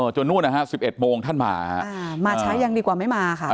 นู่นนะฮะ๑๑โมงท่านมามาช้ายังดีกว่าไม่มาค่ะ